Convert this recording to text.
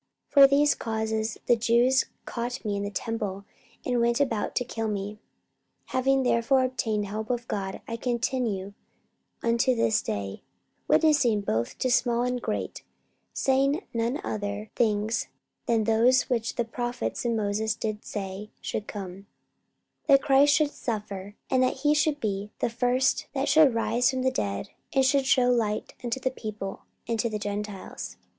44:026:021 For these causes the Jews caught me in the temple, and went about to kill me. 44:026:022 Having therefore obtained help of God, I continue unto this day, witnessing both to small and great, saying none other things than those which the prophets and Moses did say should come: 44:026:023 That Christ should suffer, and that he should be the first that should rise from the dead, and should shew light unto the people, and to the Gentiles.